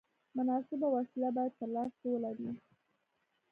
مناسبه وسیله باید په لاس کې ولرې.